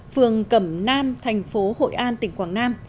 phường cẩm nam thành phố hội an tỉnh quảng nam